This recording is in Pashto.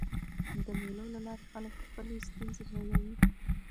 د مېلو له لاري خلک خپلي ستونزي هېروي.